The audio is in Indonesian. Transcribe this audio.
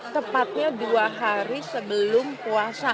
tepatnya dua hari sebelum puasa